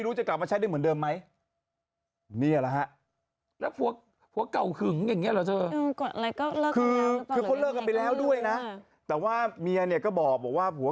ดูไฟล์สัยเลยบี๊ยาวหอว่าว